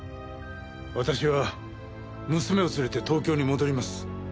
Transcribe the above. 私は娘を連れて東京に戻ります。